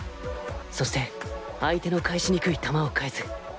そして相手の返しにくい球を返す。